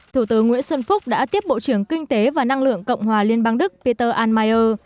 thủ tướng nguyễn xuân phúc đã tiếp bộ trưởng kinh tế và năng lượng cộng hòa liên bang đức peter anmeier